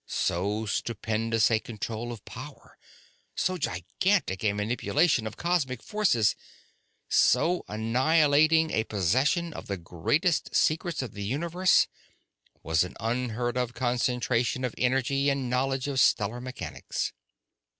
So stupendous a control of power, so gigantic a manipulation of cosmic forces, so annihilating a possession of the greatest secrets of the universe, was an unheard of concentration of energy and knowledge of stellar mechanics.